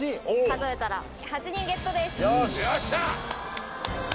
８？数えたら８人ゲットですよっしゃ！